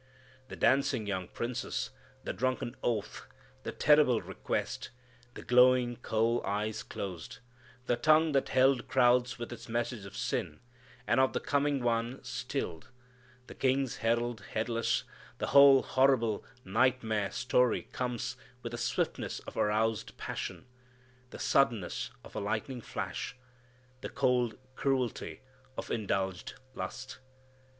The dancing young princess, the drunken oath, the terrible request, the glowing coal eyes closed, the tongue that held crowds with its message of sin, and of the coming One stilled, the King's herald headless the whole horrible, nightmare story comes with the swiftness of aroused passion, the suddenness of a lightning flash, the cold cruelty of indulged lust.